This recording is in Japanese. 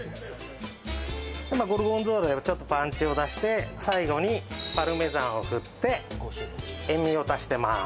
今ゴルゴンゾーラでちょっとパンチを出して最後にパルメザンをふって塩味を足してます